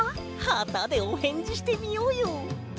はたでおへんじしてみようよ！